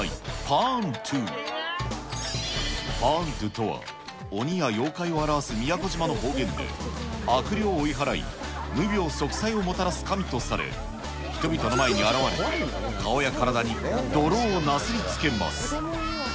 パーントゥとは、鬼や妖怪を表す宮古島の方言で、悪霊を追い払い、無病息災をもたらす神とされ、人々の前に現れ、顔や体に泥をなすりつけます。